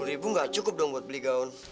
kalo sepuluh ribu gak cukup dong buat beli gaun